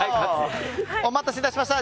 お待たせいたしました。